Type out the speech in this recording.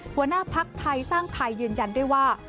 หัวหน้าภักดิ์ไทยสร้างไทยยืนยันด้วยว่า